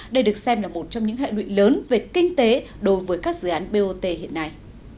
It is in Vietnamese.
đây được xem là một trong những hệ lụy lớn về kinh tế đối với các dự án bot hiện nay